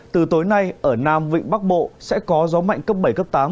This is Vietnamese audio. từ tối nay ở nam vịnh bắc bộ sẽ có gió mạnh cấp bảy cấp tám